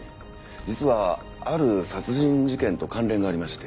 実はある殺人事件と関連がありまして。